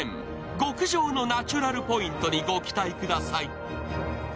極上のナチュラルポイントにご期待ください。